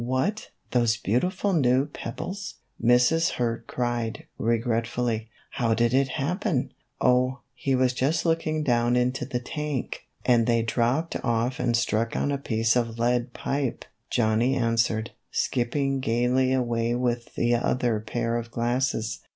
" What, those beautiful new pebbles !" Mrs. Hurd cried, regretfully ;" how did it happen ?"" Oh, he was just looking down into the tank, and MR. HURD'S HOLIDAY. 99 they dropped off and struck on a piece of lead pipe," Johnny answered, skipping gayly away with the other pair of glasses.